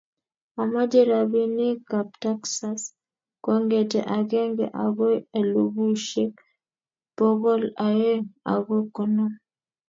Amache robinik kab Texas kongete agenge agoi elubushek bokol aeng ago konom